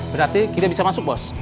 berarti kita bisa masuk bos